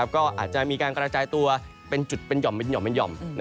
ก็อาจจะมีการกระจายตัวเป็นจุดเป็นห่อมเป็นห่อมเป็นห่อม